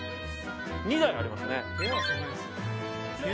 ２台ありますね。